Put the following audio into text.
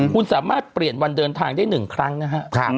คุณสามารถเปลี่ยนวันเดินทางได้๑ครั้งนะฮะ